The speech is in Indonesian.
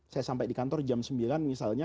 saya sampai di kantor jam sembilan misalnya